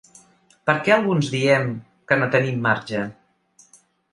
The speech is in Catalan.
Per què alguns diem que no tenim marge?